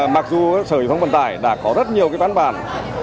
mặc dù sở giao thông vận tải đã có rất nhiều văn bản